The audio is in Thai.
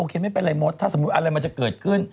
แต่ไม่เป็นอะไรโมซถ้าสมมุติอะไรมาจะเกิดขึ้น